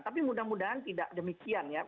tapi mudah mudahan tidak demikian ya